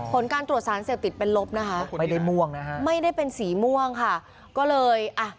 ผลการตรวจสารเสพติดเป็นลบนะคะไม่ได้เป็นสีม่วงค่ะก็เลยอ่ะ